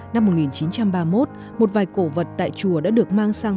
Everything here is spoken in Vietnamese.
năm một nghìn chín trăm ba mươi một một vài cổ vật tại chùa đã được mang sang